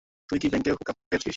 তুই কি ব্যাংককে হুক আপ পেয়েছিস।